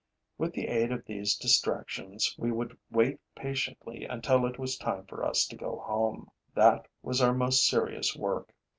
With the aid of these distractions, we would wait patiently until it was time for us to go home. That was our most serious work.